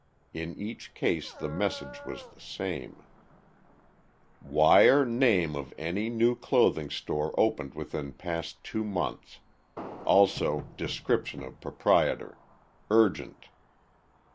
In each case the message was the same: Wire name of any new clothing store opened within past two months. Also description of proprietor. Urgent.